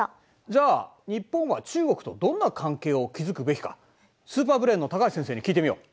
じゃあ日本は中国とどんな関係を築くべきかスーパーブレーンの高橋先生に聞いてみよう。